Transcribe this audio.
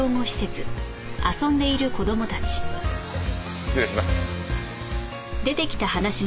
失礼します。